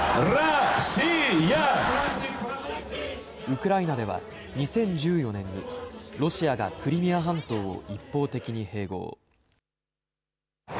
ウクライナでは２０１４年に、ロシアがクリミア半島を一方的に併合。